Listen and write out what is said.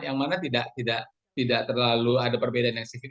yang mana tidak terlalu ada perbedaan yang signifikan